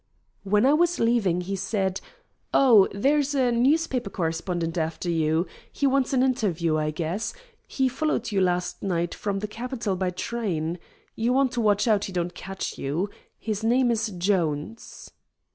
When I was leaving he said: "Oh, there's a newspaper correspondent after you. He wants an interview, I guess. He followed you last night from the capital by train. You want to watch out he don't catch you. His name is Jones."